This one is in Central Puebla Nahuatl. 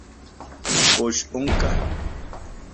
¿Kox onka?